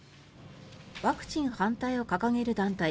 ワクチン反対を掲げる団体